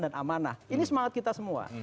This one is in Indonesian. dan amanah ini semangat kita semua